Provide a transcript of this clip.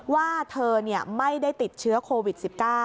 ว่าเธอไม่ได้ติดเชื้อโควิด๑๙